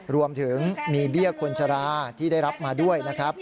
รวมถึงมีเบี้ยคนชราที่ได้รับมาด้วยนะครับ